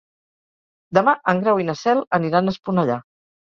Demà en Grau i na Cel aniran a Esponellà.